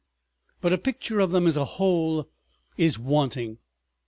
But a picture of them as a whole is wanting.